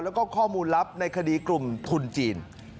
แล้วก็ข้อมูลลับในคดีกลุ่มทุนจีน